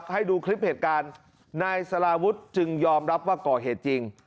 ให้ดูคลิปเหตุการณ์นายสลาวุฒิจึงยอมรับว่าก่อเหตุจริง